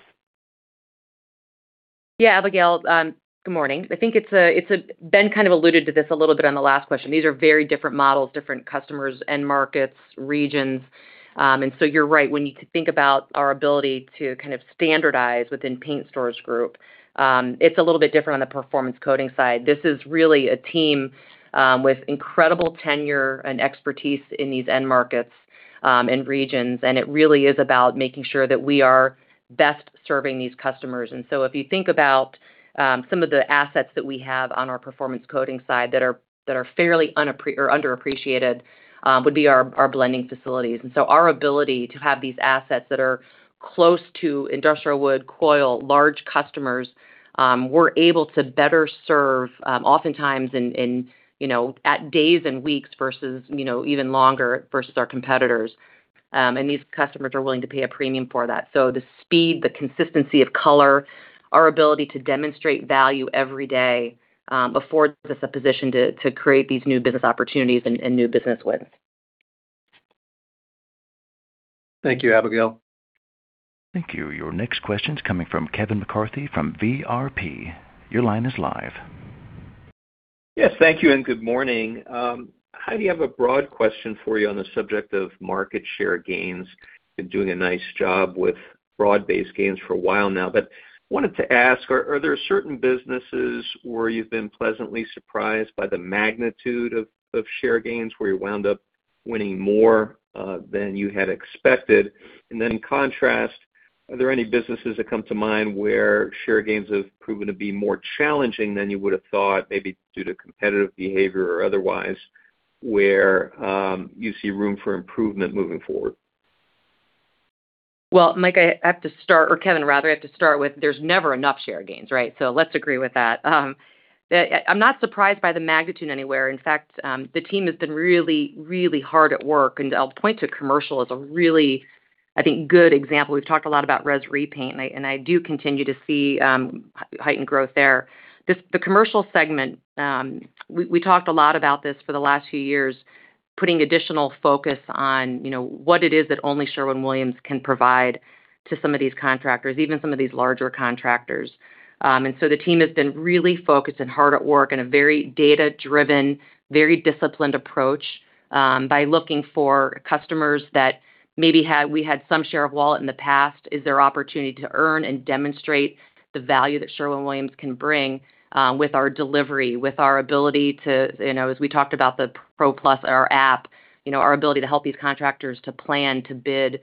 Yeah, Abigail, good morning. I think Ben kind of alluded to this a little bit on the last question. These are very different models, different customers, end markets, regions. You're right. When you think about our ability to kind of standardize within Paint Stores Group, it's a little bit different on the performance coatings side. This is really a team with incredible tenure and expertise in these end markets and regions, and it really is about making sure that we are best serving these customers. If you think about some of the assets that we have on our performance coatings side that are fairly underappreciated, would be our blending facilities. Our ability to have these assets that are close to industrial wood coil, large customers, we're able to better serve oftentimes at days and weeks versus even longer versus our competitors. These customers are willing to pay a premium for that. The speed, the consistency of color, our ability to demonstrate value every day affords us a position to create these new business opportunities and new business wins. Thank you, Abigail. Thank you. Your next question's coming from Kevin McCarthy from VRP. Your line is live. Yes, thank you and good morning. Heidi, I have a broad question for you on the subject of market share gains. You've been doing a nice job with broad-based gains for a while now, but wanted to ask, are there certain businesses where you've been pleasantly surprised by the magnitude of share gains, where you wound up winning more than you had expected? In contrast, are there any businesses that come to mind where share gains have proven to be more challenging than you would've thought, maybe due to competitive behavior or otherwise, where you see room for improvement moving forward? Well, Kevin, I have to start with, there's never enough share gains, right? Let's agree with that. I'm not surprised by the magnitude anywhere. In fact, the team has been really hard at work, and I'll point to commercial as a really I think good example. We've talked a lot about res repaint, and I do continue to see heightened growth there. The commercial segment, we talked a lot about this for the last few years, putting additional focus on what it is that only Sherwin-Williams can provide to some of these contractors, even some of these larger contractors. The team has been really focused and hard at work in a very data-driven, very disciplined approach, by looking for customers that maybe we had some share of wallet in the past. Is there opportunity to earn and demonstrate the value that Sherwin-Williams can bring with our delivery, with our ability to, as we talked about the PRO+ our app, our ability to help these contractors to plan, to bid,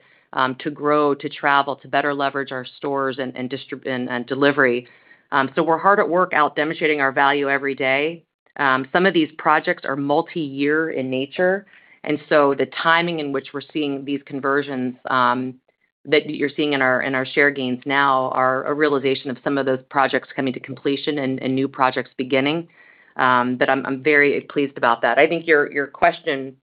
to grow, to travel, to better leverage our stores and delivery. We're hard at work out demonstrating our value every day. Some of these projects are multi-year in nature, the timing in which we're seeing these conversions, that you're seeing in our share gains now are a realization of some of those projects coming to completion and new projects beginning. I'm very pleased about that. I think your question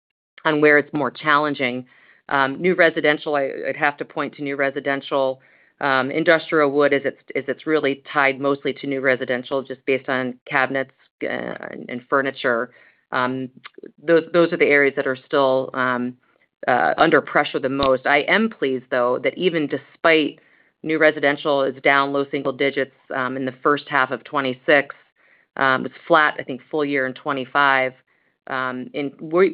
on where it's more challenging, I'd have to point to new residential. Industrial wood as it's really tied mostly to new residential just based on cabinets and furniture. Those are the areas that are still under pressure the most. I am pleased though, that even despite new residential is down low single digits in the first half of 2026. It's flat, I think full year in 2025.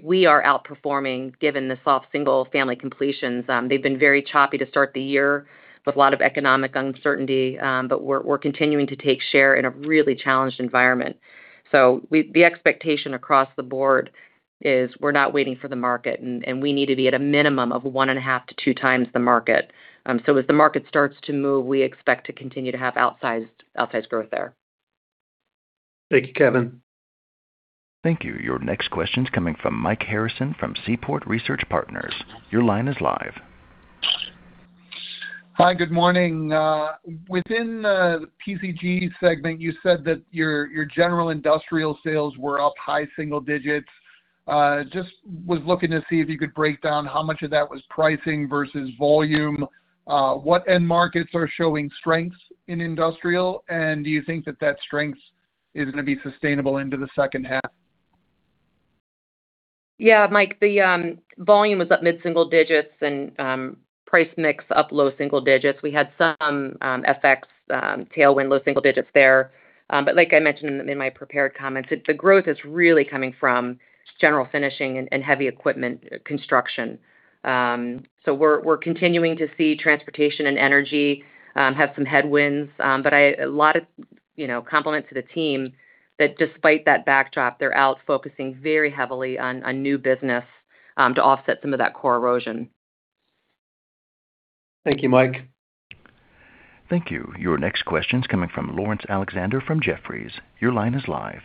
We are outperforming given the soft single-family completions. They've been very choppy to start the year with a lot of economic uncertainty, we're continuing to take share in a really challenged environment. The expectation across the board is we're not waiting for the market, and we need to be at a minimum of 1.5-2 times the market. As the market starts to move, we expect to continue to have outsized growth there. Thank you, Kevin. Thank you. Your next question's coming from Mike Harrison from Seaport Research Partners. Your line is live. Hi, good morning. Within the PCG segment, you said that your general industrial sales were up high single digits. Just was looking to see if you could break down how much of that was pricing versus volume. What end markets are showing strengths in industrial, and do you think that that strength is going to be sustainable into the second half? Yeah, Mike, the volume was up mid-single digits and price mix up low single digits. We had some FX tailwind low single digits there. Like I mentioned in my prepared comments, the growth is really coming from general finishing and heavy equipment construction. We're continuing to see transportation and energy have some headwinds. Compliment to the team that despite that backdrop, they're out focusing very heavily on new business to offset some of that core erosion. Thank you, Mike. Thank you. Your next question's coming from Laurence Alexander from Jefferies. Your line is live.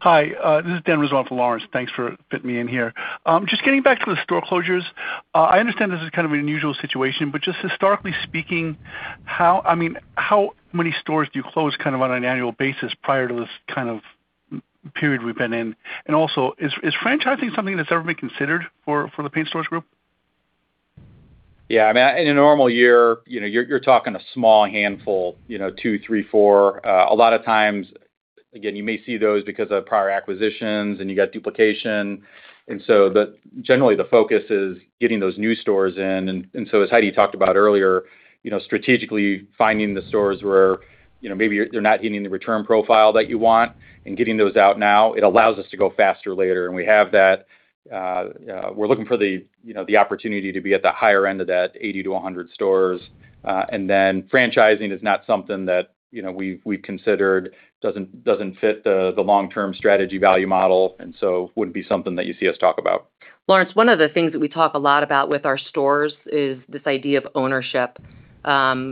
Hi, this is Dan Rizzo for Laurence. Thanks for fitting me in here. Just getting back to the store closures. I understand this is kind of an unusual situation, but just historically speaking, how many stores do you close on an annual basis prior to this kind of period we've been in? Also, is franchising something that's ever been considered for the Paint Stores Group? In a normal year, you're talking a small handful, two, three, four. A lot of times, again, you may see those because of prior acquisitions and you got duplication. Generally the focus is getting those new stores in, as Heidi talked about earlier, strategically finding the stores where maybe they're not hitting the return profile that you want and getting those out now, it allows us to go faster later. We have that. We're looking for the opportunity to be at the higher end of that 80-100 stores. Then franchising is not something that we've considered, doesn't fit the long-term strategy value model wouldn't be something that you see us talk about. Laurence, one of the things that we talk a lot about with our stores is this idea of ownership. Our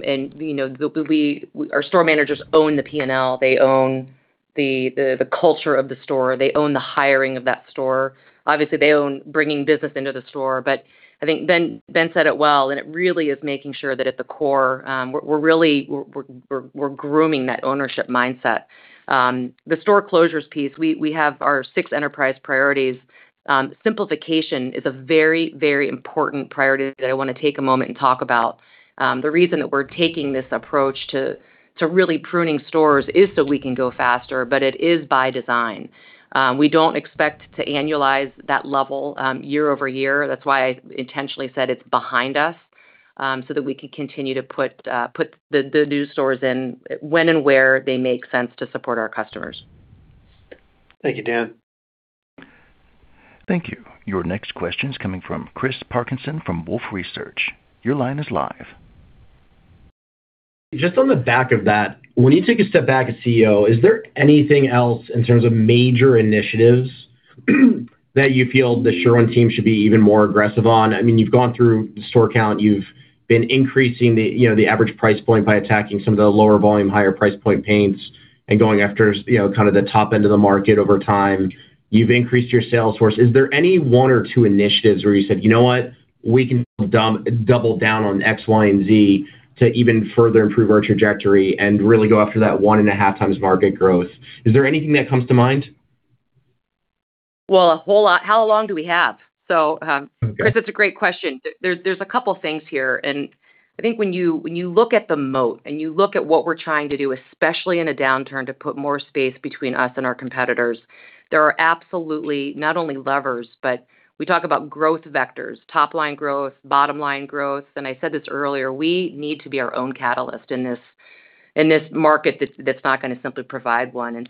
store managers own the P&L. They own the culture of the store. They own the hiring of that store. Obviously, they own bringing business into the store. I think Ben said it well, it really is making sure that at the core, we're grooming that ownership mindset. The store closures piece, we have our six enterprise priorities. Simplification is a very important priority that I want to take a moment and talk about. The reason that we're taking this approach to really pruning stores is so we can go faster, but it is by design. We don't expect to annualize that level year-over-year. That's why I intentionally said it's behind us, so that we can continue to put the new stores in when and where they make sense to support our customers. Thank you. Dan. Thank you. Your next question's coming from Chris Parkinson from Wolfe Research. Your line is live. Just on the back of that, when you take a step back as CEO, is there anything else in terms of major initiatives that you feel the Sherwin team should be even more aggressive on? You've gone through the store count, you've been increasing the average price point by attacking some of the lower volume, higher price point paints and going after the top end of the market over time. You've increased your sales force. Is there any one or two initiatives where you said, "You know what? We can double down on X, Y, and Z to even further improve our trajectory and really go after that one and a half times market growth"? Is there anything that comes to mind? Well, how long do we have? Chris, it's a great question. There's a couple things here. I think when you look at the moat and you look at what we're trying to do, especially in a downturn, to put more space between us and our competitors, there are absolutely not only levers, but we talk about growth vectors, top-line growth, bottom-line growth. I said this earlier, we need to be our own catalyst in this market that's not going to simply provide one.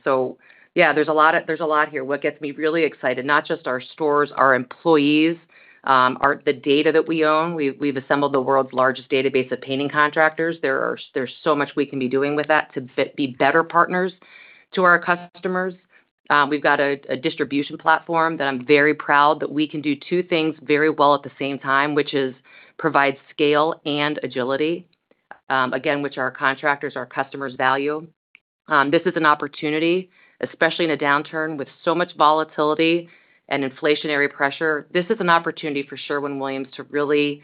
Yeah, there's a lot here. What gets me really excited, not just our stores, our employees, the data that we own. We've assembled the world's largest database of painting contractors. There's so much we can be doing with that to be better partners to our customers. We've got a distribution platform that I'm very proud that we can do two things very well at the same time, which is provide scale and agility, again, which our contractors, our customers value. This is an opportunity, especially in a downturn with so much volatility and inflationary pressure. This is an opportunity for Sherwin-Williams to really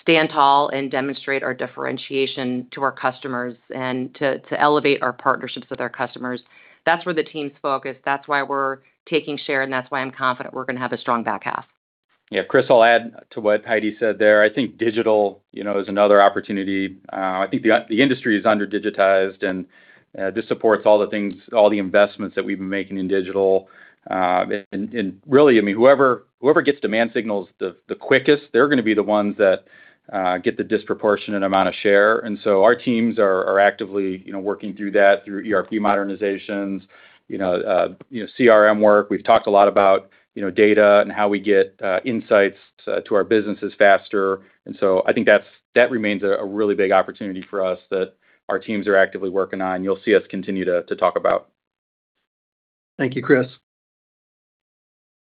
stand tall and demonstrate our differentiation to our customers and to elevate our partnerships with our customers. That's where the team's focused. That's why we're taking share, and that's why I'm confident we're going to have a strong back half. Yeah. Chris, I'll add to what Heidi said there. I think digital is another opportunity. I think the industry is under-digitized. This supports all the investments that we've been making in digital. Really, whoever gets demand signals the quickest, they're going to be the ones that get the disproportionate amount of share. Our teams are actively working through that, through ERP modernizations, CRM work. We've talked a lot about data and how we get insights to our businesses faster. I think that remains a really big opportunity for us that our teams are actively working on, you'll see us continue to talk about. Thank you, Chris.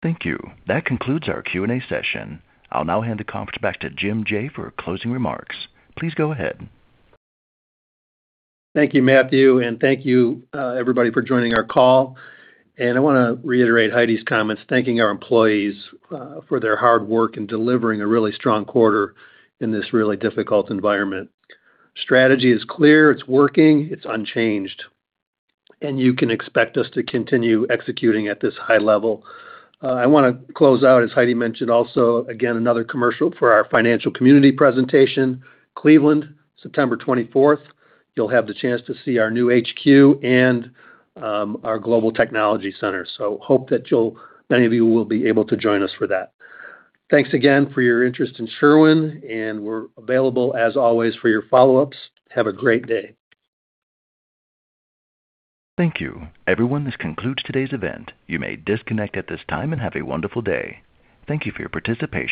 Thank you. That concludes our Q&A session. I will now hand the conference back to Jim Jaye for closing remarks. Please go ahead. Thank you, Matthew, and thank you everybody for joining our call. I want to reiterate Heidi's comments, thanking our employees for their hard work in delivering a really strong quarter in this really difficult environment. Strategy is clear, it is working, it is unchanged, and you can expect us to continue executing at this high level. I want to close out, as Heidi mentioned, also, again, another commercial for our financial community presentation, Cleveland, September 24th. You will have the chance to see our new HQ and our global technology center. Hope that many of you will be able to join us for that. Thanks again for your interest in Sherwin, and we are available, as always, for your follow-ups. Have a great day. Thank you. Everyone, this concludes today's event. You may disconnect at this time and have a wonderful day. Thank you for your participation.